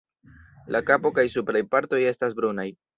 La kapo kaj supraj partoj estas brunaj.